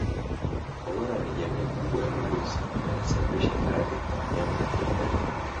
ïCorona ni jamii kubwa ya virusi vinavyosababisha maradhi kwa wanyama na binadamu